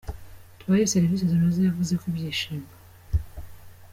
tubahe serivisi zinoze Yavuze ko ibyishimo.